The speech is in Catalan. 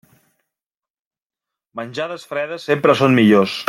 Menjades fredes sempre són millors.